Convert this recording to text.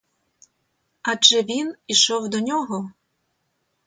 Адже він ішов до нього?